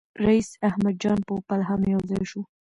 رییس احمد جان پوپل هم یو ځای شو.